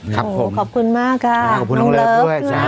ครับผมน้องเลิฟด้วยนะครับขอบคุณมากค่ะน้องเลิฟ